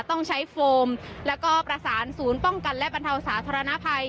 ต้องใช้โฟมแล้วก็ประสานศูนย์ป้องกันและบรรเทาสาธารณภัย